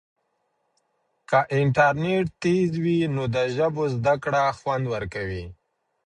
که انټرنیټ تېز وي نو د ژبو زده کړه خوند ورکوي.